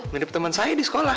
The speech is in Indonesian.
mirip teman saya di sekolah